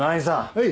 はい。